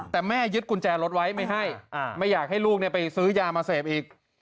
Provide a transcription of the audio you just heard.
แต่แม่ยึดกุญแจรถไว้ไม่ให้ไม่อยากให้ลูกไปซื้อยามาเสพอีก